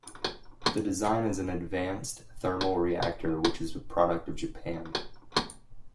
The design is an Advanced Thermal Reactor, which is a product of Japan.